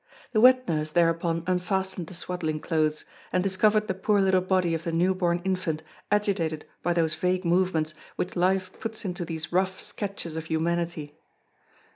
The wet nurse thereupon unfastened the swaddling clothes, and discovered the poor little body of the newborn infant agitated by those vague movements which life puts into these rough sketches of humanity.